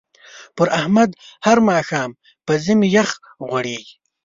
پر احمد هر ماښام په ژمي مخ غوړېږي.